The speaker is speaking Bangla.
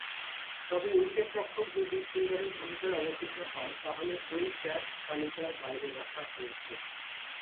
তবে, উইকেট-রক্ষক যদি ফিল্ডারের ভূমিকায় অবতীর্ণ হন, তাহলে ঐ ক্যাচ তালিকার বাইরে রাখা হয়েছে।